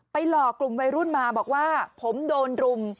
หลอกกลุ่มวัยรุ่นมาบอกว่าผมโดนรุม